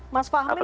mas fahmi memang